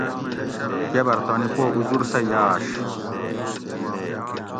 گبر تانی پو اُزر سہ یاۤش